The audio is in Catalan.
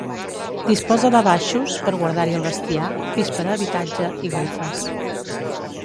Disposa de baixos, per guardar-hi el bestiar, pis per a habitatge i golfes.